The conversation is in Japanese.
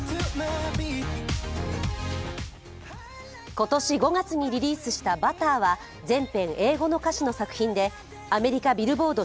今年５月にリリースした「Ｂｕｔｔｅｒ」は全編英語の歌詞の作品でアメリカＢｉｌｌｂｏａｒｄ